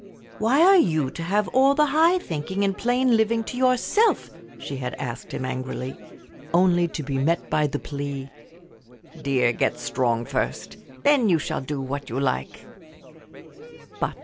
"Why are you to have all the high thinking and plain living to yourself?" she had asked him, angrily, only to be met by the plea, "Dear, get strong first then you shall do what you like."